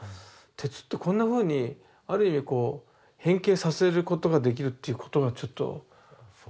鉄ってこんなふうにある意味こう変形させることができるっていうことがちょっと驚いた。